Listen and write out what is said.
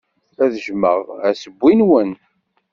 Ad jjmeɣ assewwi-nwen.